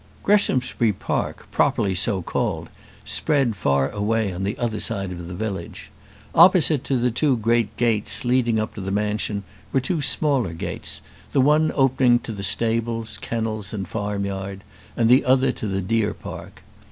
Greshamsbury Park properly so called spread far away on the other side of the village. Opposite to the two great gates leading up to the mansion were two smaller gates, the one opening on to the stables, kennels, and farm yard, and the other to the deer park.